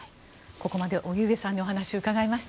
ここまで荻上さんにお話を伺いました。